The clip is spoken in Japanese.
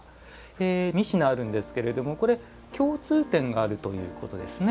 三品あるんですけどこれ、共通点があるということですね。